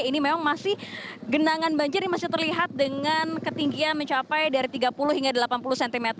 ini memang masih genangan banjir ini masih terlihat dengan ketinggian mencapai dari tiga puluh hingga delapan puluh cm